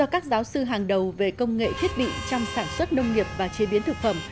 các giáo sư hàng đầu về công nghệ thiết bị trong sản xuất nông nghiệp và chế biến thực phẩm